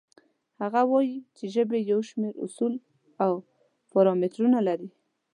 هغه وایي چې ژبې یو شمېر اصول او پارامترونه لري.